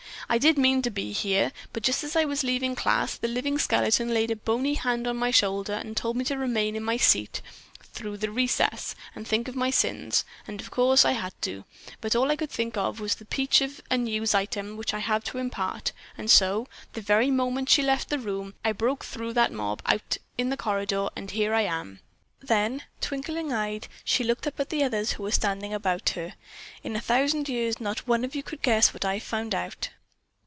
I did mean to be here, but just as I was leaving class the Living Skeleton laid a bony hand on my shoulder and told me to remain in my seat through the recess and think of my sins, and of course I had to, but all I could think of was the peach of a news item which I have to impart, and so, the very minute she left the room, I broke through that mob out in the corridor and here I am." Then, twinkling eyed, she looked up at the others who were standing about her. "In a thousand years, not one of you could guess what I've found out."